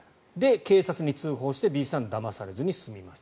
警察に通報してＢさんはだまされずに済みました。